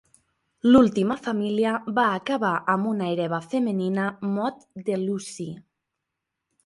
L'última família va acabar amb una hereva femenina, Maud de Lucy.